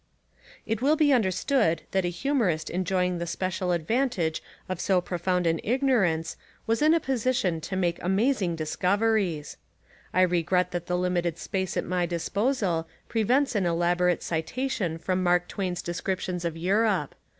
It will be understood that a humorist enjoy ing the special advantage of so profound an ii8 American Humour ignorance was in a position to make amazing discoveries. I regret that the limited space at my disposal prevents an elaborate citation from Mark Twain's descriptions of Europe.